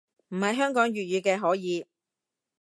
唔係香港粵語嘅可以